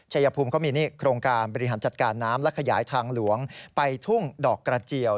ชายภูมิเขามีโครงการบริหารจัดการน้ำและขยายทางหลวงไปทุ่งดอกกระเจียว